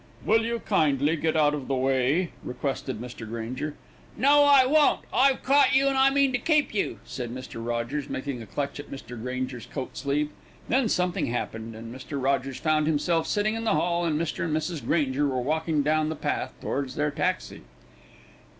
"Will you kindly get out of the way?" requested Mr. Granger. "No, I won't. I've caught you and I mean to keep you," said Mr. Rogers, making a clutch at Mr. Granger's coat sleeve. Then something happened, and Mr. Rogers found himself sitting in the hall, and Mr. and Mrs. Granger were walking down the path towards their taxi.